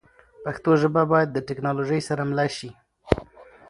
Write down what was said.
پښتو ژبه باید د ټکنالوژۍ سره مله شي.